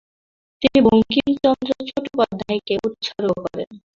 তিনি বঙ্কিমচন্দ্র চট্টোপাধ্যায়কে উৎসর্গ করেন।